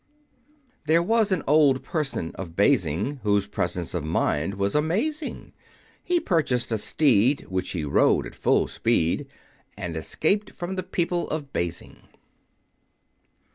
There was an Old Person of Basing, Whose presence of mind was amazing; He purchased a steed, which he rode at full speed, And escaped from the people of Basing.